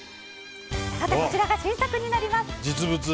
こちらが新作になります。